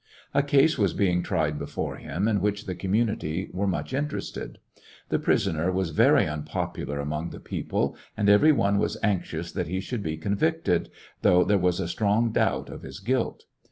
A case was being tried before him in which the community were much interested. The pris oner was very unpopular among the people, and every one was anxious that he should be convicted, though there was a strong doubt of his guilt.